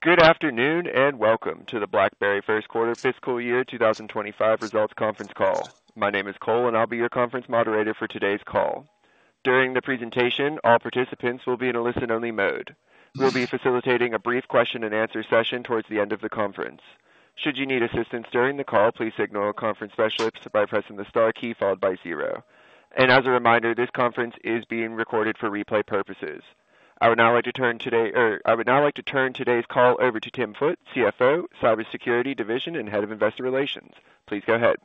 Good afternoon and welcome to the BlackBerry First Quarter Fiscal Year 2025 Results Conference Call. My name is Cole, and I'll be your conference moderator for today's call. During the presentation, all participants will be in a listen-only mode. We'll be facilitating a brief question-and-answer session towards the end of the conference. Should you need assistance during the call, please signal a conference specialist by pressing the star key followed by zero. As a reminder, this conference is being recorded for replay purposes. I would now like to turn today's call over to Tim Foote, CFO, Cybersecurity Division, and Head of Investor Relations. Please go ahead.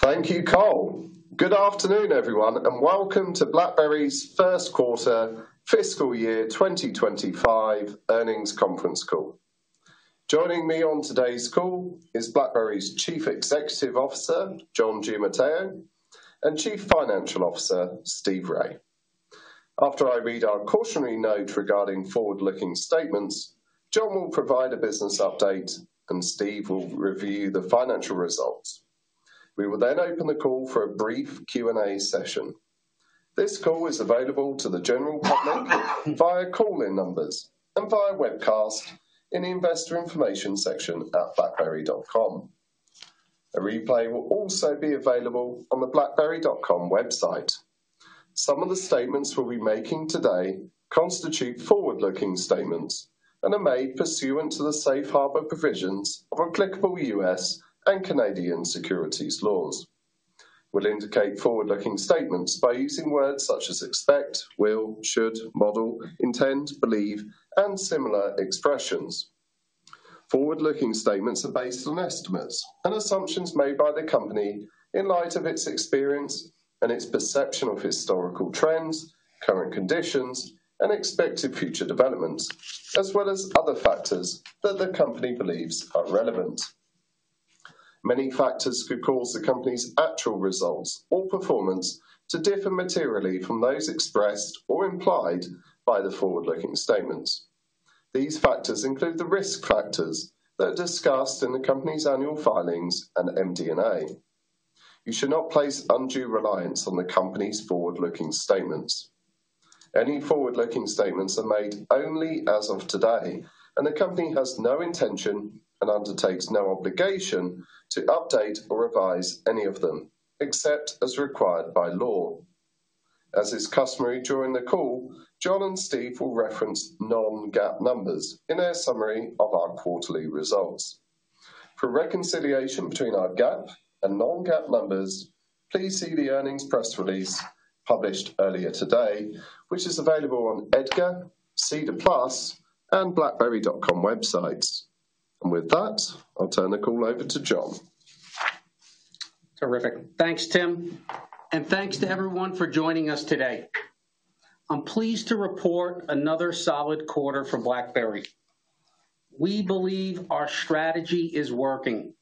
Thank you, Cole. Good afternoon, everyone, and welcome to BlackBerry's First Quarter Fiscal Year 2025 Earnings Conference Call. Joining me on today's call is BlackBerry's Chief Executive Officer, John Giamatteo, and Chief Financial Officer, Steve Rai. After I read our cautionary note regarding forward-looking statements, John will provide a business update, and Steve will review the financial results. We will then open the call for a brief Q&A session. This call is available to the general public via call-in numbers and via webcast in the investor information section at blackberry.com. A replay will also be available on the blackberry.com website. Some of the statements we'll be making today constitute forward-looking statements and are made pursuant to the safe harbor provisions of applicable U.S. and Canadian securities laws. We'll indicate forward-looking statements by using words such as expect, will, should, model, intend, believe, and similar expressions. Forward-looking statements are based on estimates and assumptions made by the company in light of its experience and its perception of historical trends, current conditions, and expected future developments, as well as other factors that the company believes are relevant. Many factors could cause the company's actual results or performance to differ materially from those expressed or implied by the forward-looking statements. These factors include the risk factors that are discussed in the company's annual filings and MD&A. You should not place undue reliance on the company's forward-looking statements. Any forward-looking statements are made only as of today, and the company has no intention and undertakes no obligation to update or revise any of them except as required by law. As is customary during the call, John and Steve will reference non-GAAP numbers in their summary of our quarterly results. For reconciliation between our GAAP and non-GAAP numbers, please see the earnings press release published earlier today, which is available on EDGAR, SEDAR+, and blackberry.com websites. With that, I'll turn the call over to John. Terrific. Thanks, Tim. Thanks to everyone for joining us today. I'm pleased to report another solid quarter for BlackBerry. We believe our strategy is working.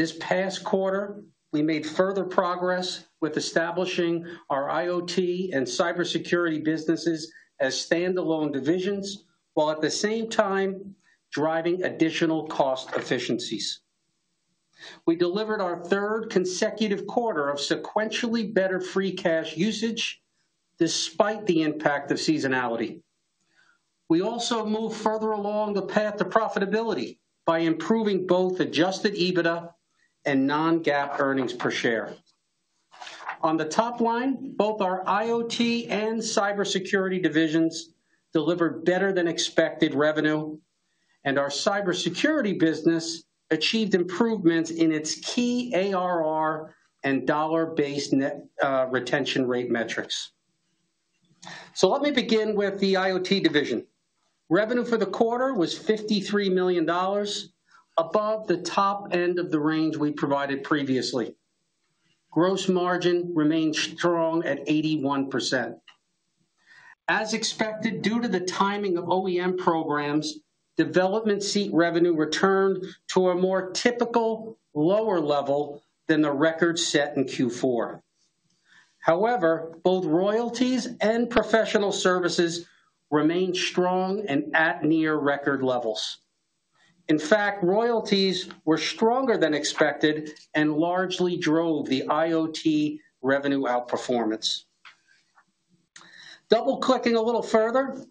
This past quarter, we made further progress with establishing our IoT and cybersecurity businesses as standalone divisions while at the same time driving additional cost efficiencies. We delivered our third consecutive quarter of sequentially better free cash usage despite the impact of seasonality. We also moved further along the path to profitability by improving both Adjusted EBITDA and non-GAAP earnings per share. On the top line, both our IoT and cybersecurity divisions delivered better-than-expected revenue, and our cybersecurity business achieved improvements in its key ARR and dollar-based retention rate metrics. Let me begin with the IoT division. Revenue for the quarter was $53 million, above the top end of the range we provided previously. Gross margin remained strong at 81%. As expected, due to the timing of OEM programs, development seat revenue returned to a more typical lower level than the record set in Q4. However, both royalties and professional services remained strong and at near-record levels. In fact, royalties were stronger than expected and largely drove the IoT revenue outperformance. Double-clicking a little further,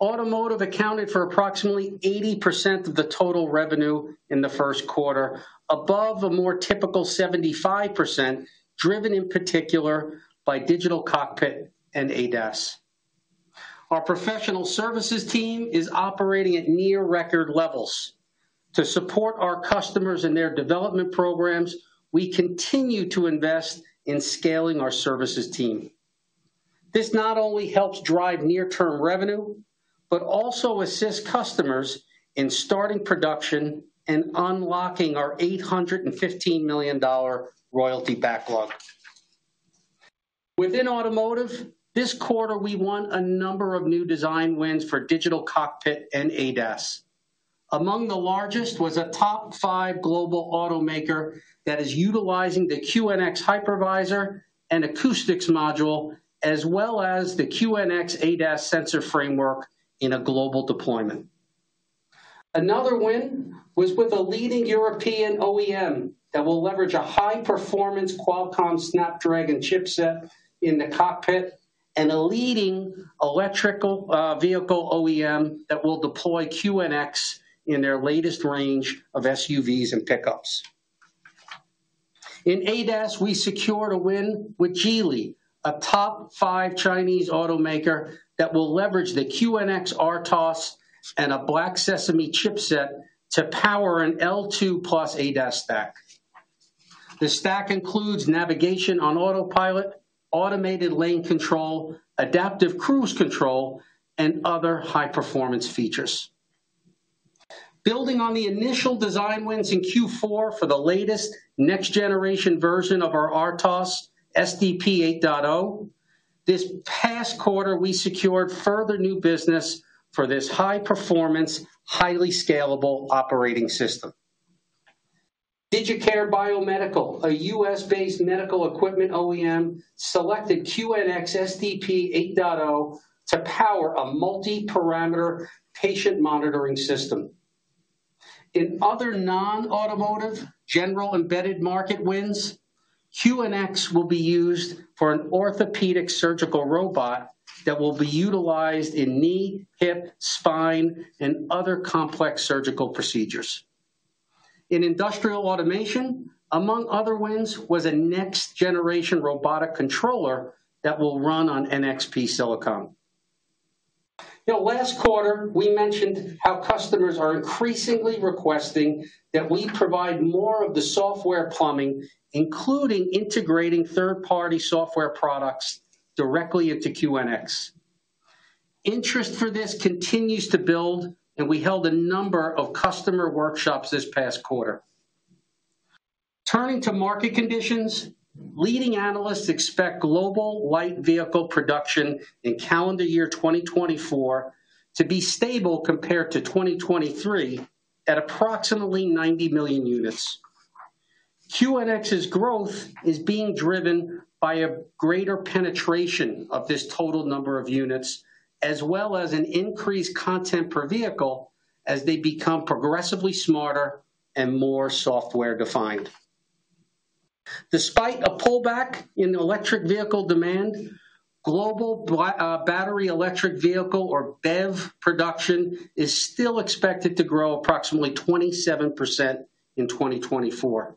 automotive accounted for approximately 80% of the total revenue in the first quarter, above a more typical 75% driven in particular by digital cockpit and ADAS. Our professional services team is operating at near-record levels. To support our customers and their development programs, we continue to invest in scaling our services team. This not only helps drive near-term revenue but also assists customers in starting production and unlocking our $815 million royalty backlog. Within automotive, this quarter we won a number of new design wins for digital cockpit and ADAS. Among the largest was a top five global automaker that is utilizing the QNX Hypervisor and acoustics module, as well as the QNX ADAS Sensor Framework in a global deployment. Another win was with a leading European OEM that will leverage a high-performance Qualcomm Snapdragon chipset in the cockpit and a leading electric vehicle OEM that will deploy QNX in their latest range of SUVs and pickups. In ADAS, we secured a win with Geely, a top five Chinese automaker that will leverage the QNX RTOS and a Black Sesame chipset to power an L2+ ADAS stack. The stack includes navigation on autopilot, automated lane control, adaptive cruise control, and other high-performance features. Building on the initial design wins in Q4 for the latest next-generation version of our RTOS, SDP 8.0, this past quarter we secured further new business for this high-performance, highly scalable operating system. Digicare Biomedical, a U.S.-based medical equipment OEM, selected QNX SDP 8.0 to power a multi-parameter patient monitoring system. In other non-automotive general embedded market wins, QNX will be used for an orthopedic surgical robot that will be utilized in knee, hip, spine, and other complex surgical procedures. In industrial automation, among other wins was a next-generation robotic controller that will run on NXP silicon. Last quarter, we mentioned how customers are increasingly requesting that we provide more of the software plumbing, including integrating third-party software products directly into QNX. Interest for this continues to build, and we held a number of customer workshops this past quarter. Turning to market conditions, leading analysts expect global light vehicle production in calendar year 2024 to be stable compared to 2023 at approximately 90 million units. QNX's growth is being driven by a greater penetration of this total number of units, as well as an increased content per vehicle as they become progressively smarter and more software-defined. Despite a pullback in electric vehicle demand, global battery electric vehicle, or BEV, production is still expected to grow approximately 27% in 2024.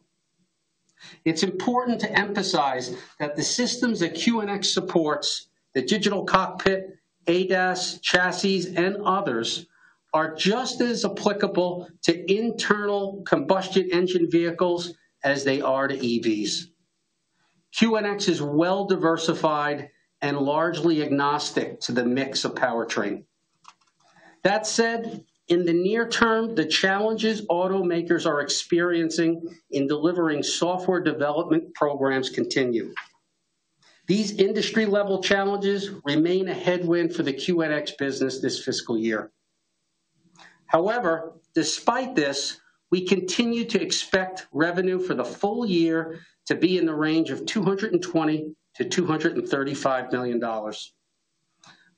It's important to emphasize that the systems that QNX supports, the digital cockpit, ADAS, chassis, and others, are just as applicable to internal combustion engine vehicles as they are to EVs. QNX is well-diversified and largely agnostic to the mix of powertrain. That said, in the near term, the challenges automakers are experiencing in delivering software development programs continue. These industry-level challenges remain a headwind for the QNX business this fiscal year. However, despite this, we continue to expect revenue for the full year to be in the range of $220 million-$235 million.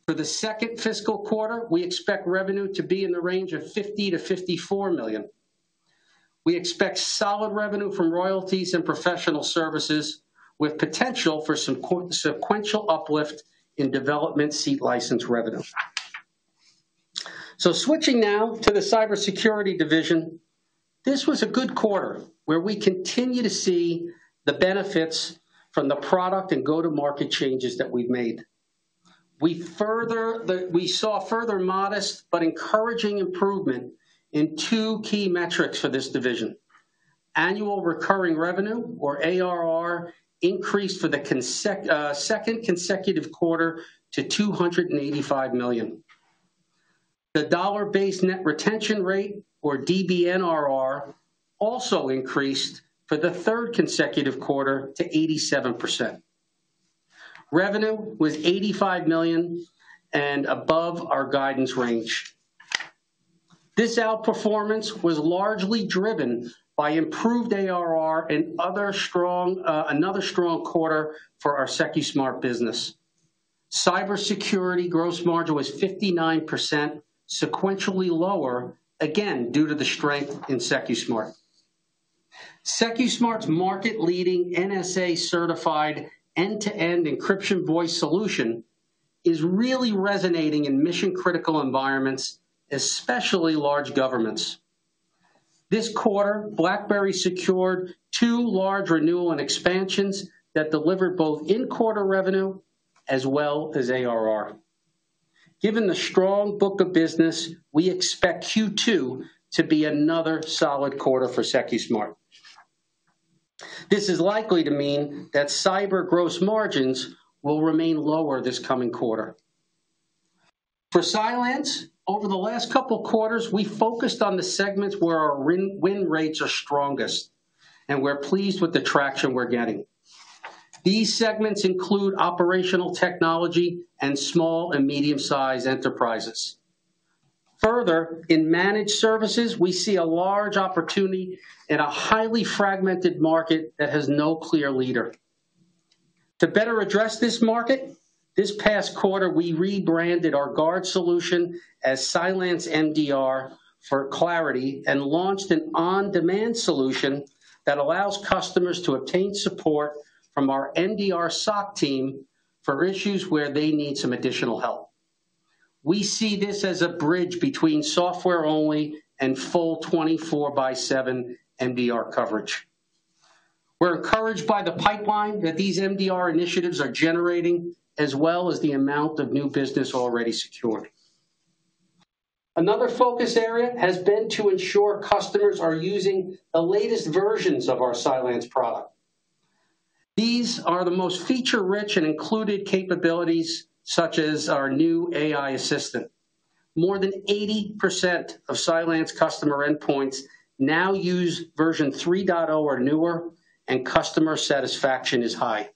For the second fiscal quarter, we expect revenue to be in the range of $50-$54 million. We expect solid revenue from royalties and professional services with potential for some sequential uplift in development seat license revenue. So switching now to the Cybersecurity division, this was a good quarter where we continue to see the benefits from the product and go-to-market changes that we've made. We saw further modest but encouraging improvement in two key metrics for this division. Annual recurring revenue, or ARR, increased for the second consecutive quarter to $285 million. The dollar-based net retention rate, or DBNRR, also increased for the third consecutive quarter to 87%. Revenue was $85 million and above our guidance range. This outperformance was largely driven by improved ARR and another strong quarter for our Secusmart business. Cybersecurity gross margin was 59%, sequentially lower, again due to the strength in Secusmart. Secusmart's market-leading NSA-certified end-to-end encryption voice solution is really resonating in mission-critical environments, especially large governments. This quarter, BlackBerry secured two large renewal and expansions that delivered both in-quarter revenue as well as ARR. Given the strong book of business, we expect Q2 to be another solid quarter for Secusmart. This is likely to mean that cyber gross margins will remain lower this coming quarter. For finance, over the last couple of quarters, we focused on the segments where our win rates are strongest, and we're pleased with the traction we're getting. These segments include operational technology and small and medium-sized enterprises. Further, in managed services, we see a large opportunity in a highly fragmented market that has no clear leader. To better address this market, this past quarter, we rebranded our CylanceGUARD solution as CylanceMDR for clarity and launched an on-demand solution that allows customers to obtain support from our MDR SOC team for issues where they need some additional help. We see this as a bridge between software-only and full 24x7 MDR coverage. We're encouraged by the pipeline that these MDR initiatives are generating, as well as the amount of new business already secured. Another focus area has been to ensure customers are using the latest versions of our Cylance product. These are the most feature-rich and included capabilities, such as our new AI assistant. More than 80% of Cylance customer endpoints now use version 3.0 or newer, and customer satisfaction is high.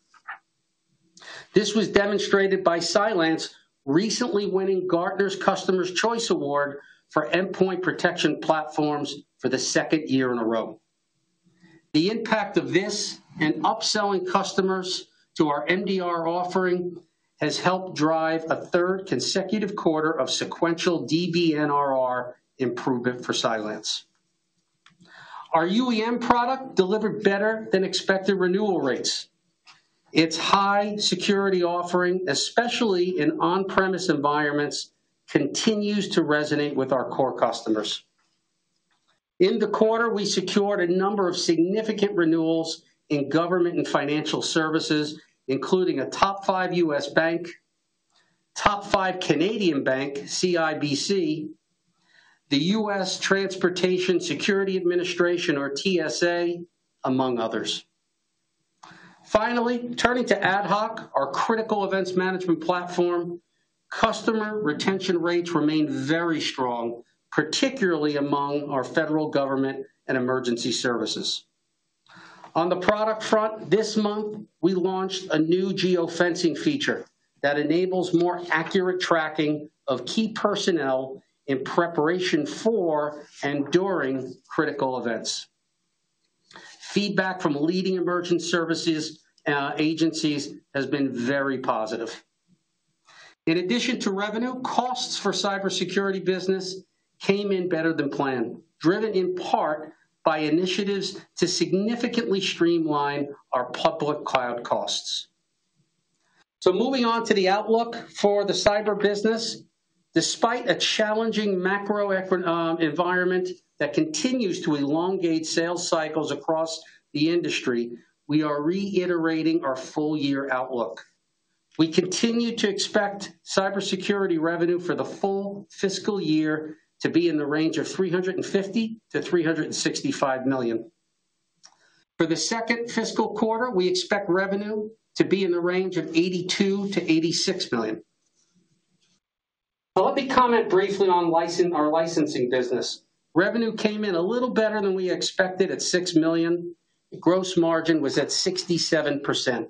This was demonstrated by Cylance recently winning Gartner's Customers' Choice Award for endpoint protection platforms for the second year in a row. The impact of this and upselling customers to our MDR offering has helped drive a third consecutive quarter of sequential DBNRR improvement for Cylance. Our UEM product delivered better-than-expected renewal rates. Its high security offering, especially in on-premises environments, continues to resonate with our core customers. In the quarter, we secured a number of significant renewals in government and financial services, including a top five U.S. bank, top five Canadian bank, CIBC, the U.S. Transportation Security Administration, or TSA, among others. Finally, turning to AtHoc, our critical events management platform, customer retention rates remain very strong, particularly among our federal government and emergency services. On the product front, this month, we launched a new geofencing feature that enables more accurate tracking of key personnel in preparation for and during critical events. Feedback from leading emergency services agencies has been very positive. In addition to revenue, costs for cybersecurity business came in better than planned, driven in part by initiatives to significantly streamline our public cloud costs. Moving on to the outlook for the cyber business, despite a challenging macro environment that continues to elongate sales cycles across the industry, we are reiterating our full-year outlook. We continue to expect cybersecurity revenue for the full fiscal year to be in the range of $350 million-$365 million. For the second fiscal quarter, we expect revenue to be in the range of $82 million-$86 million. Let me comment briefly on our licensing business. Revenue came in a little better than we expected at $6 million. Gross margin was at 67%.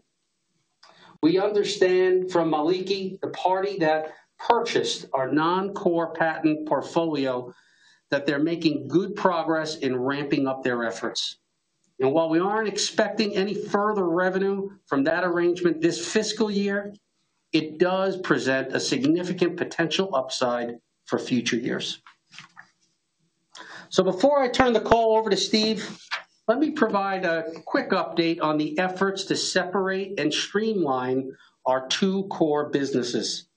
We understand from Malikie, the party that purchased our non-core patent portfolio, that they're making good progress in ramping up their efforts. While we aren't expecting any further revenue from that arrangement this fiscal year, it does present a significant potential upside for future years. Before I turn the call over to Steve, let me provide a quick update on the efforts to separate and streamline our two core businesses.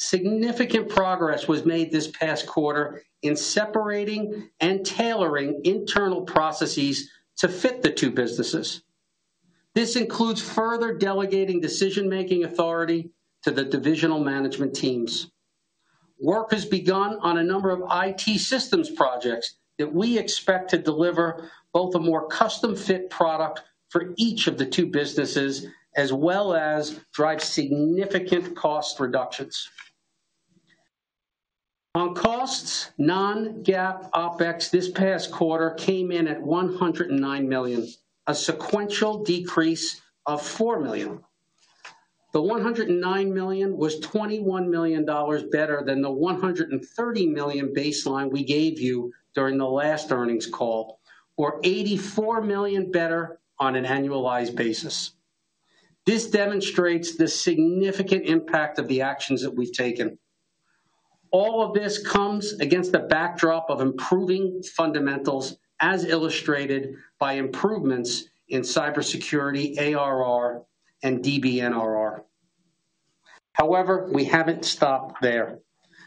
Significant progress was made this past quarter in separating and tailoring internal processes to fit the two businesses. This includes further delegating decision-making authority to the divisional management teams. Work has begun on a number of IT systems projects that we expect to deliver both a more custom-fit product for each of the two businesses, as well as drive significant cost reductions. On costs, non-GAAP OpEx this past quarter came in at $109 million, a sequential decrease of $4 million. The $109 million was $21 million better than the $130 million baseline we gave you during the last earnings call, or $84 million better on an annualized basis. This demonstrates the significant impact of the actions that we've taken. All of this comes against the backdrop of improving fundamentals, as illustrated by improvements in cybersecurity, ARR, and DBNRR. However, we haven't stopped there.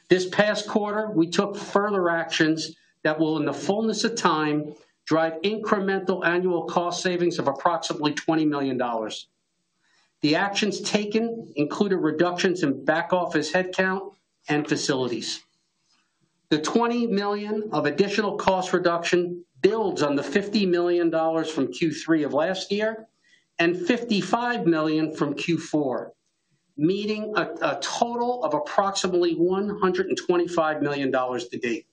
This past quarter, we took further actions that will, in the fullness of time, drive incremental annual cost savings of approximately $20 million. The actions taken included reductions in back-office headcount and facilities. The $20 million of additional cost reduction builds on the $50 million from Q3 of last year and $55 million from Q4, meeting a total of approximately $125 million to date.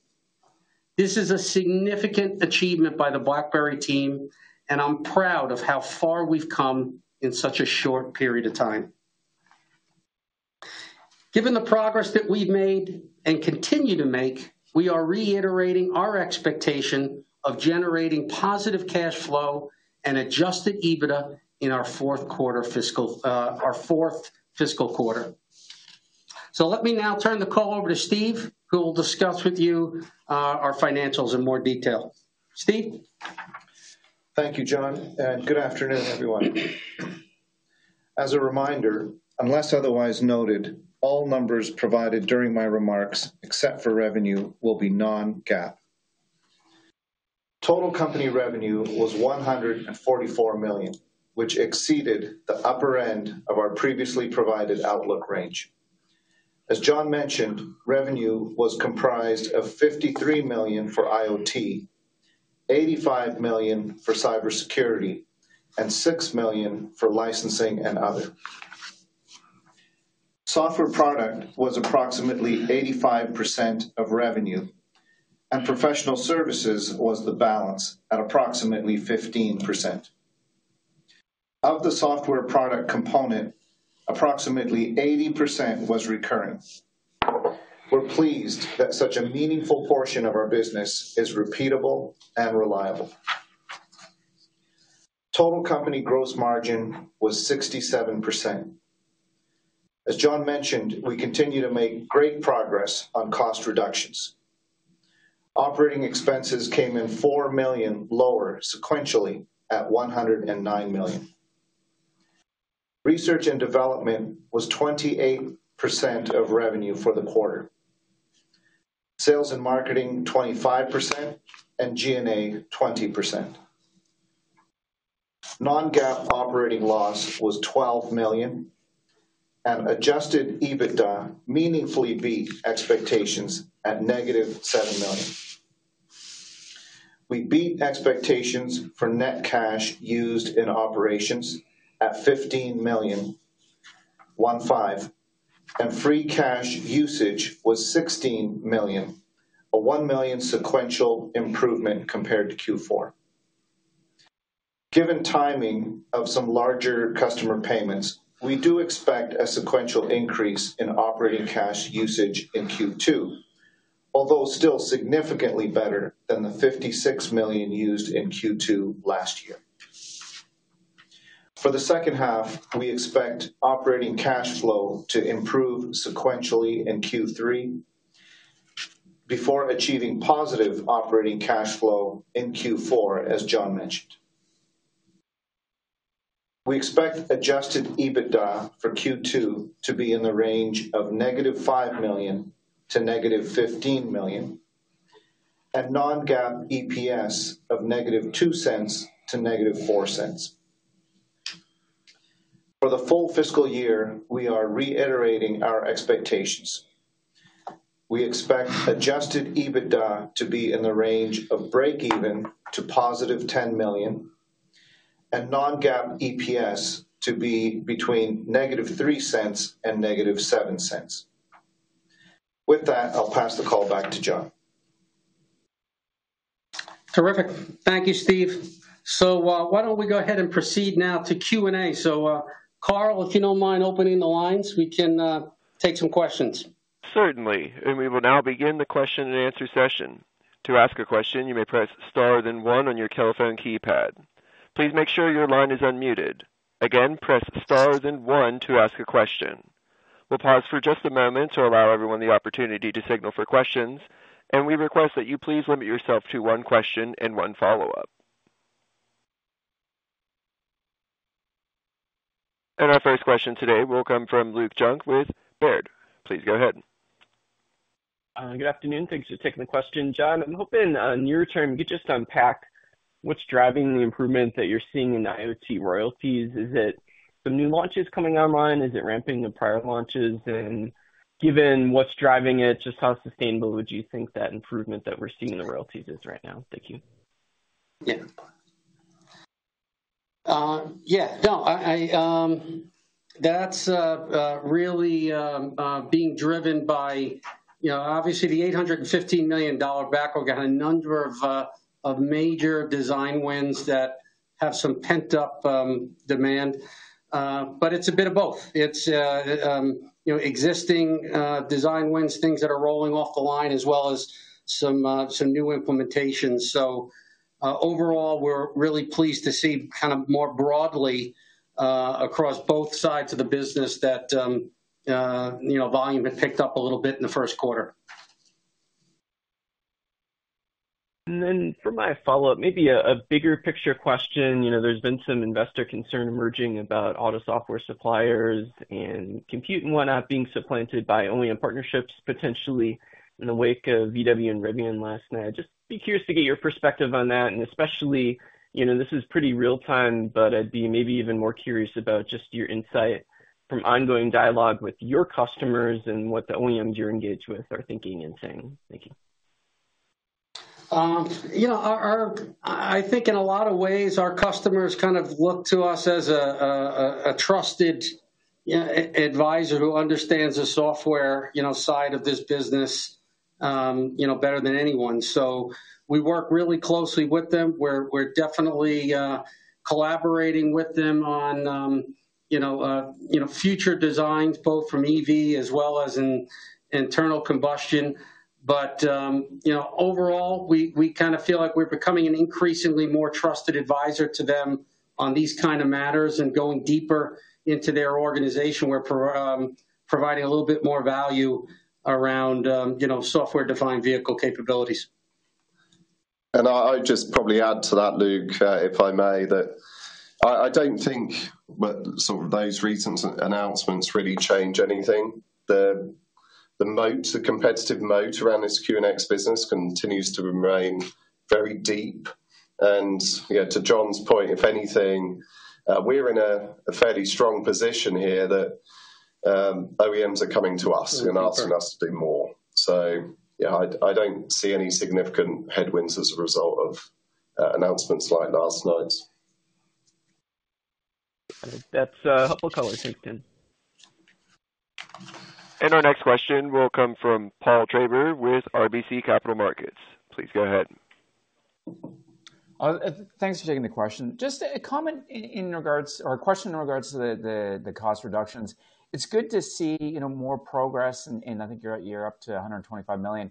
This is a significant achievement by the BlackBerry team, and I'm proud of how far we've come in such a short period of time. Given the progress that we've made and continue to make, we are reiterating our expectation of generating positive cash flow and adjusted EBITDA in our fourth quarter fiscal quarter. So let me now turn the call over to Steve, who will discuss with you our financials in more detail. Steve? Thank you, John. Good afternoon, everyone. As a reminder, unless otherwise noted, all numbers provided during my remarks, except for revenue, will be Non-GAAP. Total company revenue was $144 million, which exceeded the upper end of our previously provided outlook range. As John mentioned, revenue was comprised of $53 million for IoT, $85 million for cybersecurity, and $6 million for licensing and other. Software product was approximately 85% of revenue, and professional services was the balance at approximately 15%. Of the software product component, approximately 80% was recurring. We're pleased that such a meaningful portion of our business is repeatable and reliable. Total company gross margin was 67%. As John mentioned, we continue to make great progress on cost reductions. Operating expenses came in $4 million lower sequentially at $109 million. Research and development was 28% of revenue for the quarter. Sales and marketing 25% and G&A 20%. Non-GAAP operating loss was $12 million, and adjusted EBITDA meaningfully beat expectations at -$7 million. We beat expectations for net cash used in operations at $15 million, and free cash usage was $16 million, a $1 million sequential improvement compared to Q4. Given timing of some larger customer payments, we do expect a sequential increase in operating cash usage in Q2, although still significantly better than the $56 million used in Q2 last year. For the second half, we expect operating cash flow to improve sequentially in Q3 before achieving positive operating cash flow in Q4, as John mentioned. We expect adjusted EBITDA for Q2 to be in the range of -$5 million to -$15 million, and non-GAAP EPS of -$0.02 to -$0.04. For the full fiscal year, we are reiterating our expectations. We expect Adjusted EBITDA to be in the range of break-even to $10 million, and non-GAAP EPS to be between -$0.03 and -$0.07. With that, I'll pass the call back to John. Terrific. Thank you, Steve. So why don't we go ahead and proceed now to Q&A? So Cole, if you don't mind opening the lines, we can take some questions. Certainly. We will now begin the question-and-answer session. To ask a question, you may press star then one on your telephone keypad. Please make sure your line is unmuted. Again, press star then one to ask a question. We'll pause for just a moment to allow everyone the opportunity to signal for questions, and we request that you please limit yourself to one question and one follow-up. Our first question today will come from Luke Junk with Baird. Please go ahead. Good afternoon. Thanks for taking the question, John. I'm hoping in your term you could just unpack what's driving the improvement that you're seeing in IoT royalties. Is it some new launches coming online? Is it ramping the prior launches? And given what's driving it, just how sustainable would you think that improvement that we're seeing in the royalties is right now? Thank you. Yeah. Yeah. No, that's really being driven by, obviously, the $815 million backlog. We've got a number of major design wins that have some pent-up demand, but it's a bit of both. It's existing design wins, things that are rolling off the line, as well as some new implementations. So overall, we're really pleased to see kind of more broadly across both sides of the business that volume had picked up a little bit in the first quarter. For my follow-up, maybe a bigger picture question. There's been some investor concern emerging about auto software suppliers and compute and whatnot being supplanted by OEM partnerships potentially in the wake of VW and Rivian last night. Just be curious to get your perspective on that, and especially this is pretty real-time, but I'd be maybe even more curious about just your insight from ongoing dialogue with your customers and what the OEMs you're engaged with are thinking and saying. Thank you. I think in a lot of ways, our customers kind of look to us as a trusted advisor who understands the software side of this business better than anyone. So we work really closely with them. We're definitely collaborating with them on future designs, both from EV as well as internal combustion. But overall, we kind of feel like we're becoming an increasingly more trusted advisor to them on these kind of matters and going deeper into their organization. We're providing a little bit more value around software-defined vehicle capabilities. I'd just probably add to that, Luke, if I may, that I don't think those recent announcements really change anything. The competitive moat around this QNX business continues to remain very deep. And to John's point, if anything, we're in a fairly strong position here that OEMs are coming to us and asking us to do more. So yeah, I don't see any significant headwinds as a result of announcements like last night's. That's helpful color, thanks, Tim. Our next question will come from Paul Treiber with RBC Capital Markets. Please go ahead. Thanks for taking the question. Just a comment in regards or a question in regards to the cost reductions. It's good to see more progress, and I think you're up to $125 million.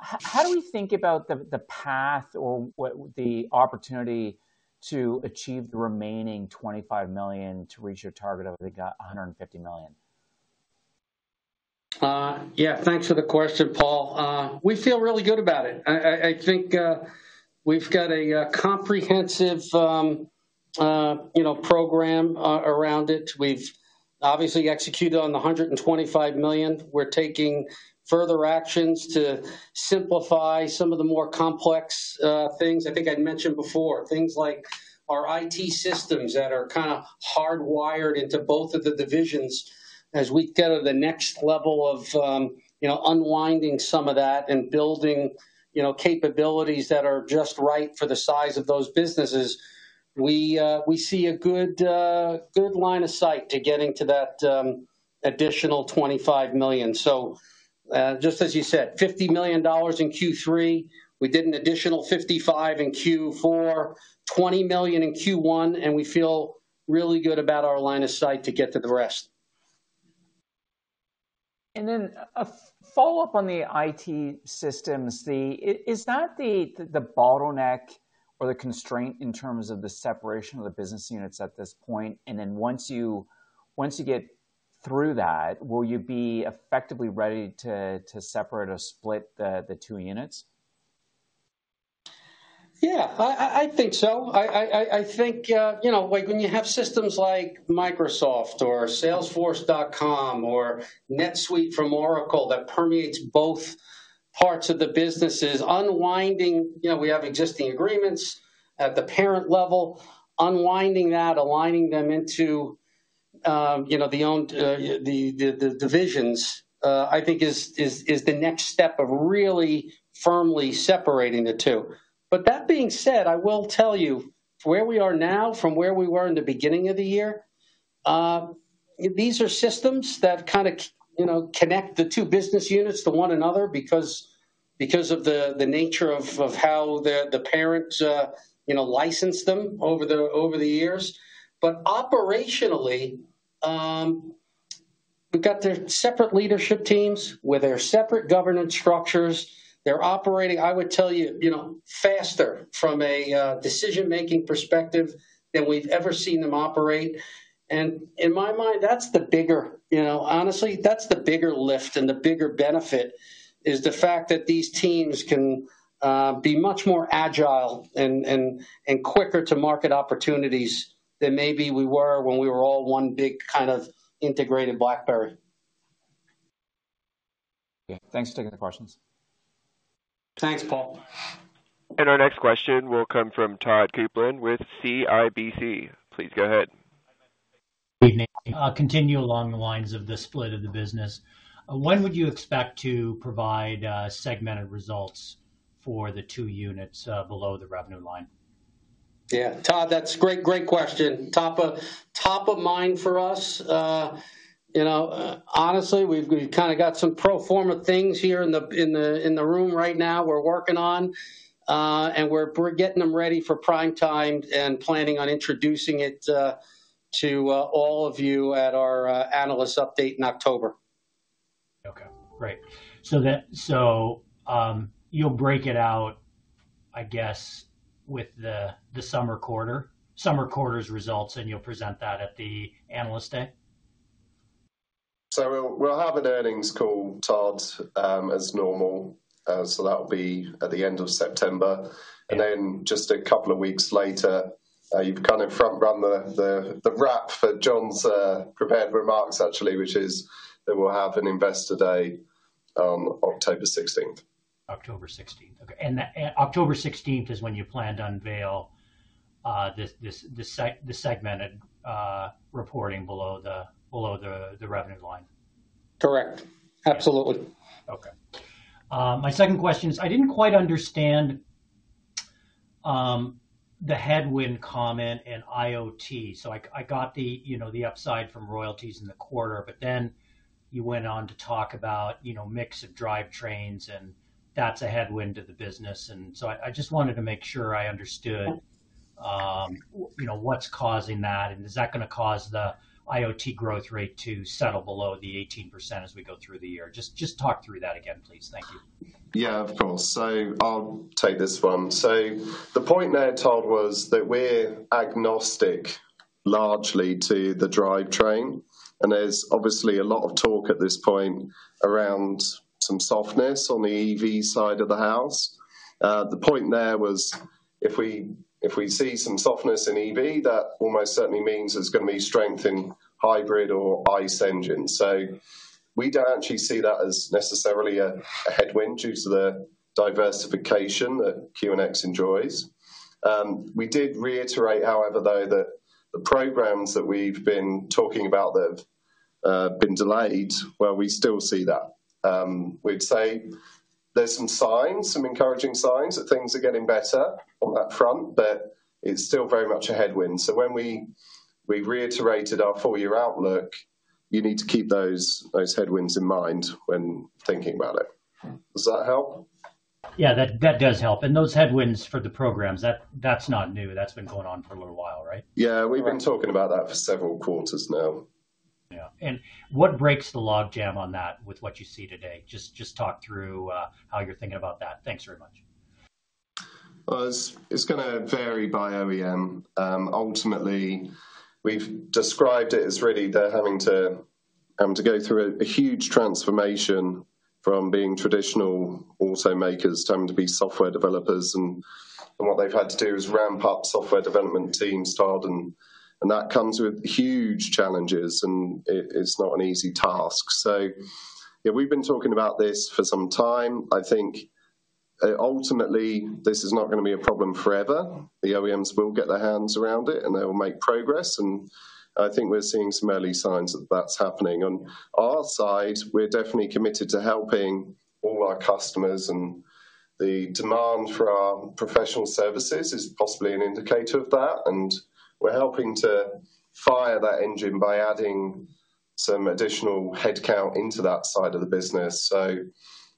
How do we think about the path or the opportunity to achieve the remaining $25 million to reach your target of, I think, $150 million? Yeah, thanks for the question, Paul. We feel really good about it. I think we've got a comprehensive program around it. We've obviously executed on the $125 million. We're taking further actions to simplify some of the more complex things. I think I'd mentioned before, things like our IT systems that are kind of hardwired into both of the divisions. As we get to the next level of unwinding some of that and building capabilities that are just right for the size of those businesses, we see a good line of sight to getting to that additional $25 million. So just as you said, $50 million in Q3. We did an additional $55 million in Q4, $20 million in Q1, and we feel really good about our line of sight to get to the rest. And then a follow-up on the IT systems. Is that the bottleneck or the constraint in terms of the separation of the business units at this point? And then once you get through that, will you be effectively ready to separate or split the two units? Yeah, I think so. I think when you have systems like Microsoft or Salesforce.com or NetSuite from Oracle that permeate both parts of the businesses, unwinding (we have existing agreements at the parent level unwinding that, aligning them into the divisions, I think, is the next step of really firmly separating the two. But that being said, I will tell you where we are now from where we were in the beginning of the year, these are systems that kind of connect the two business units to one another because of the nature of how the parent licensed them over the years. But operationally, we've got their separate leadership teams with their separate governance structures. They're operating, I would tell you, faster from a decision-making perspective than we've ever seen them operate. In my mind, that's the bigger, honestly, that's the bigger lift and the bigger benefit, is the fact that these teams can be much more agile and quicker to market opportunities than maybe we were when we were all one big kind of integrated BlackBerry. Thanks for taking the questions. Thanks, Paul. Our next question will come from Todd Coupland with CIBC. Please go ahead. Good evening. Continue along the lines of the split of the business. When would you expect to provide segmented results for the two units below the revenue line? Yeah, Todd, that's a great question. Top of mind for us. Honestly, we've kind of got some pro forma things here in the room right now we're working on, and we're getting them ready for prime time and planning on introducing it to all of you at our analyst update in October. Okay. Great. So you'll break it out, I guess, with the summer quarter's results, and you'll present that at the analyst day? So we'll have an earnings call, Todd, as normal. So that'll be at the end of September. And then just a couple of weeks later, you've kind of front-run the wrap for John's prepared remarks, actually, which is that we'll have an Investor Day on October 16th. October 16th. Okay. And October 16th is when you plan to unveil the segmented reporting below the revenue line? Correct. Absolutely. Okay. My second question is, I didn't quite understand the headwind comment in IoT. So I got the upside from royalties in the quarter, but then you went on to talk about mix of drive trains, and that's a headwind to the business. And so I just wanted to make sure I understood what's causing that, and is that going to cause the IoT growth rate to settle below the 18% as we go through the year? Just talk through that again, please. Thank you. Yeah, of course. So I'll take this one. So the point there, Todd, was that we're agnostic largely to the drive train. And there's obviously a lot of talk at this point around some softness on the EV side of the house. The point there was if we see some softness in EV, that almost certainly means there's going to be strength in hybrid or ICE engines. So we don't actually see that as necessarily a headwind due to the diversification that QNX enjoys. We did reiterate, however, though, that the programs that we've been talking about that have been delayed, well, we still see that. We'd say there's some signs, some encouraging signs that things are getting better on that front, but it's still very much a headwind. So when we reiterated our four-year outlook, you need to keep those headwinds in mind when thinking about it. Does that help? Yeah, that does help. Those headwinds for the programs, that's not new. That's been going on for a little while, right? Yeah, we've been talking about that for several quarters now. Yeah. What breaks the logjam on that with what you see today? Just talk through how you're thinking about that. Thanks very much. It's going to vary by OEM. Ultimately, we've described it as really they're having to go through a huge transformation from being traditional automakers to having to be software developers. What they've had to do is ramp up software development teams, Todd, and that comes with huge challenges, and it's not an easy task. So yeah, we've been talking about this for some time. I think ultimately, this is not going to be a problem forever. The OEMs will get their hands around it, and they will make progress. I think we're seeing some early signs that that's happening. On our side, we're definitely committed to helping all our customers, and the demand for our professional services is possibly an indicator of that. We're helping to fire that engine by adding some additional headcount into that side of the business. So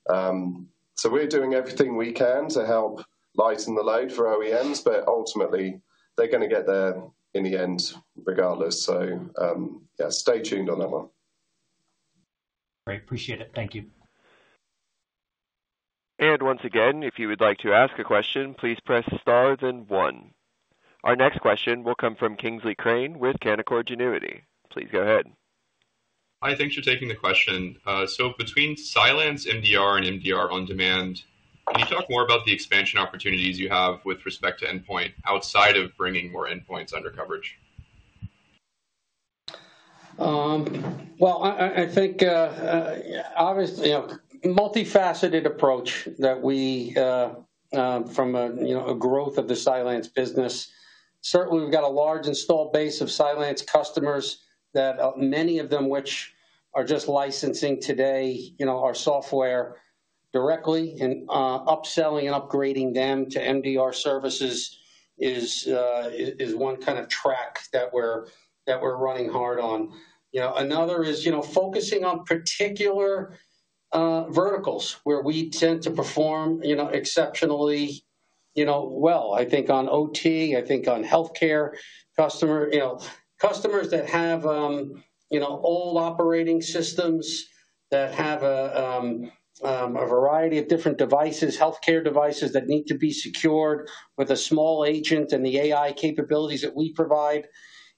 we're doing everything we can to help lighten the load for OEMs, but ultimately, they're going to get there in the end regardless. So yeah, stay tuned on that one. Great. Appreciate it. Thank you. Once again, if you would like to ask a question, please press star one. Our next question will come from Kingsley Crane with Canaccord Genuity. Please go ahead. Hi, thanks for taking the question. So between Cylance, MDR, and MDR On-Demand, can you talk more about the expansion opportunities you have with respect to endpoint outside of bringing more endpoints under coverage? Well, I think obviously a multifaceted approach that we from a growth of the Cylance business. Certainly, we've got a large installed base of Cylance customers, many of them which are just licensing today our software directly and upselling and upgrading them to MDR services is one kind of track that we're running hard on. Another is focusing on particular verticals where we tend to perform exceptionally well. I think on OT, I think on healthcare customers, customers that have old operating systems that have a variety of different devices, healthcare devices that need to be secured with a small agent and the AI capabilities that we provide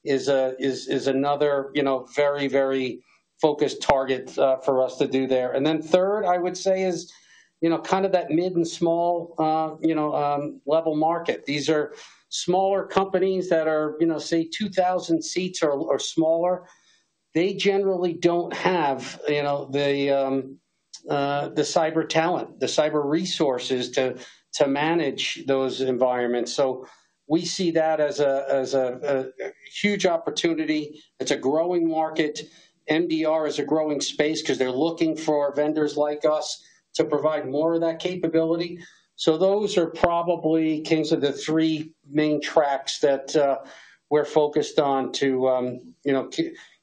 is another very, very focused target for us to do there. And then third, I would say is kind of that mid and small level market. These are smaller companies that are, say, 2,000 seats or smaller. They generally don't have the cyber talent, the cyber resources to manage those environments. So we see that as a huge opportunity. It's a growing market. MDR is a growing space because they're looking for vendors like us to provide more of that capability. So those are probably kinds of the three main tracks that we're focused on to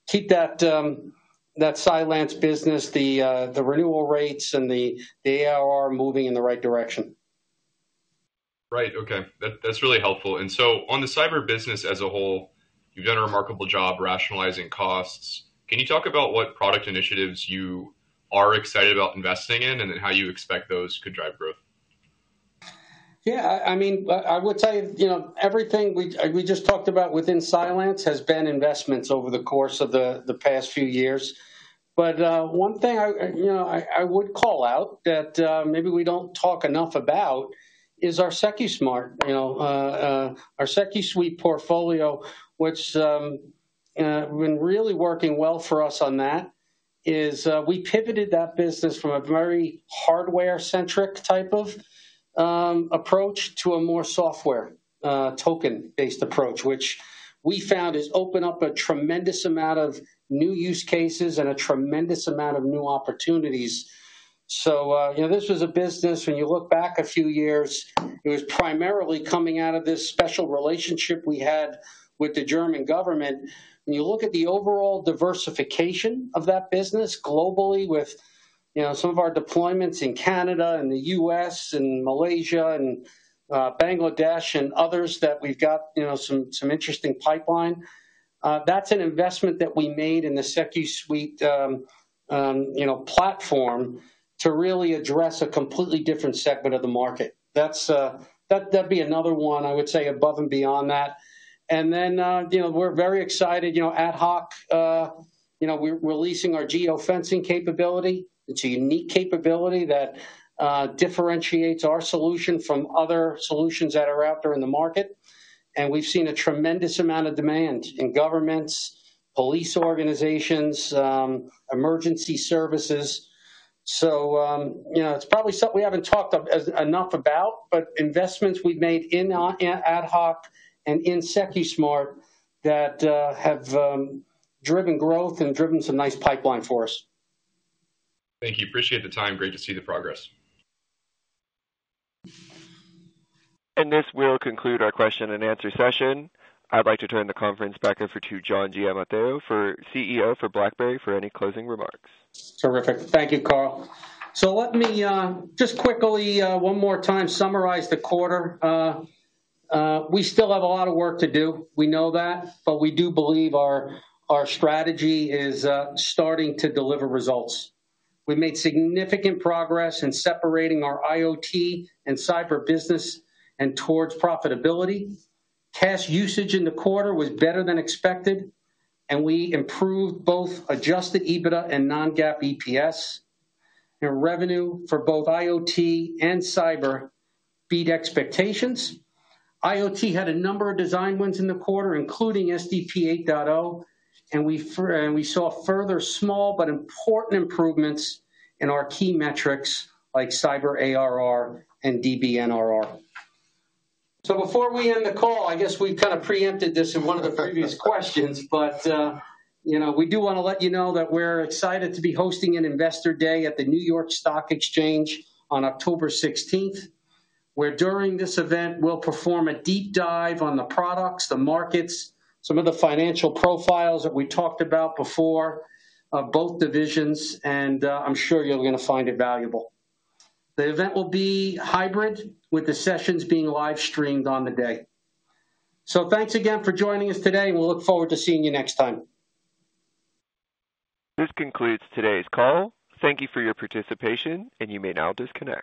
keep that Cylance business, the renewal rates, and the ARR moving in the right direction. Right. Okay. That's really helpful. And so on the cyber business as a whole, you've done a remarkable job rationalizing costs. Can you talk about what product initiatives you are excited about investing in and then how you expect those could drive growth? Yeah. I mean, I would say everything we just talked about within Cylance has been investments over the course of the past few years. But one thing I would call out that maybe we don't talk enough about is our Secusmart, our SecuSUITE portfolio, which has been really working well for us on that. We pivoted that business from a very hardware-centric type of approach to a more software token-based approach, which we found has opened up a tremendous amount of new use cases and a tremendous amount of new opportunities. So this was a business, when you look back a few years, it was primarily coming out of this special relationship we had with the German government. When you look at the overall diversification of that business globally with some of our deployments in Canada and the U.S. and Malaysia and Bangladesh and others that we've got some interesting pipeline, that's an investment that we made in the SecuSUITE platform to really address a completely different segment of the market. That'd be another one, I would say, above and beyond that. And then we're very excited, AtHoc, we're releasing our geofencing capability. It's a unique capability that differentiates our solution from other solutions that are out there in the market. And we've seen a tremendous amount of demand in governments, police organizations, emergency services. So it's probably something we haven't talked enough about, but investments we've made in AtHoc and in Secusmart that have driven growth and driven some nice pipeline for us. Thank you. Appreciate the time. Great to see the progress. This will conclude our question and answer session. I'd like to turn the conference back over to John Giamatteo, CEO for BlackBerry, for any closing remarks. Terrific. Thank you, Cole. So let me just quickly, one more time, summarize the quarter. We still have a lot of work to do. We know that, but we do believe our strategy is starting to deliver results. We made significant progress in separating our IoT and cyber business and towards profitability. Cash usage in the quarter was better than expected, and we improved both Adjusted EBITDA and non-GAAP EPS. Revenue for both IoT and cyber beat expectations. IoT had a number of design wins in the quarter, including SDP 8.0, and we saw further small but important improvements in our key metrics like cyber ARR and DBNRR. So before we end the call, I guess we've kind of preempted this in one of the previous questions, but we do want to let you know that we're excited to be hosting an Investor Day at the New York Stock Exchange on October 16th, where during this event, we'll perform a deep dive on the products, the markets, some of the financial profiles that we talked about before of both divisions, and I'm sure you're going to find it valuable. The event will be hybrid, with the sessions being live-streamed on the day. So thanks again for joining us today, and we'll look forward to seeing you next time. This concludes today's call. Thank you for your participation, and you may now disconnect.